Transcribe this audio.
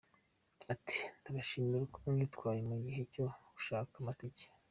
Ati "Ndabashimira uko mwitwaye mu gihe cyo gushaka amatike.